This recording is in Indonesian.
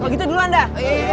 kalau gitu duluan dah